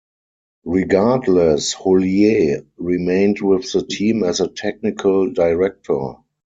Regardless, Houllier remained with the team as a technical director.